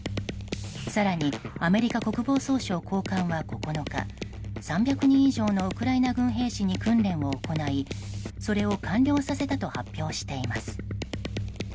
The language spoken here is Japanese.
更に、アメリカ国防総省高官は９日３００人以上のウクライナ軍兵士に訓練を行いそれを完了させたと発表しています。